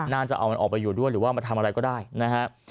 น่าจะเอามันออกไปอยู่ด้วยหรือว่ามาทำอะไรก็ได้นะฮะ